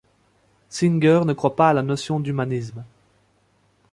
Singer ne croit pas à la notion d'humanisme.